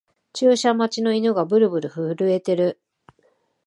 注射待ちの犬がブルブル震えてる